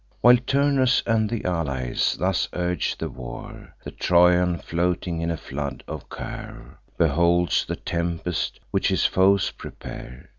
While Turnus and th' allies thus urge the war, The Trojan, floating in a flood of care, Beholds the tempest which his foes prepare.